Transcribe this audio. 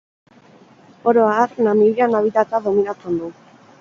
Oro har, Namibian habitata dominatzen du.